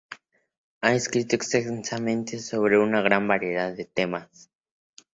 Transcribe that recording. Ha escrito extensamente sobre una gran variedad de temas.